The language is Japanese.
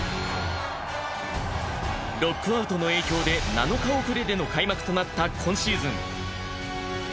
ロックアウトの影響で７日遅れでの開幕となった今シーズン。